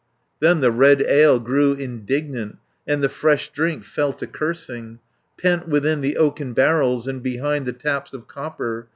Then the red ale grew indignant, And the fresh drink fell to cursing, Pent within the oaken barrels, And behind the taps of copper.